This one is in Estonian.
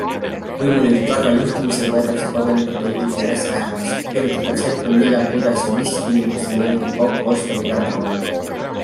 Võimuliidu targal juhtimisel võetakse kodanikelt õigusi järjest vähemaks, kirjutatakse ette, millal, kuidas ja mis tingimustel mõningaid kaupu osta või tarbida võib.